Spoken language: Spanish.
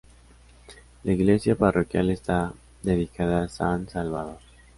La iglesia parroquial está dedicada a San Salvador.